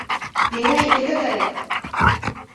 Миңә инергә кәрәк!